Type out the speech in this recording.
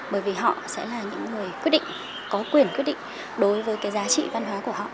bởi vì họ sẽ là những người quyết định có quyền quyết định đối với cái giá trị văn hóa của họ